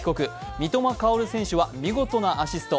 三笘薫選手は見事なアシスト。